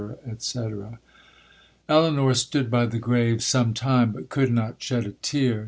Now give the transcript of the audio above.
&c. Elinor stood by the grave some time, but could not shed a tear.